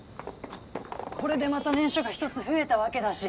これでまた念書が１つ増えたわけだし。